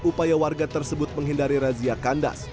upaya warga tersebut menghindari razia kandas